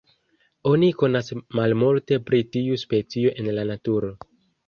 Oni konas malmulte pri tiu specio en la naturo.